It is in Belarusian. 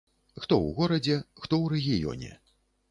Хто ў горадзе, хто ў рэгіёне.